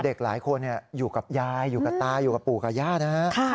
เด็กหลายคนอยู่กับยายอยู่กับตาอยู่กับปู่กับย่านะฮะ